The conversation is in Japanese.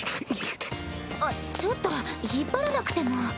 あっちょっと引っ張らなくても。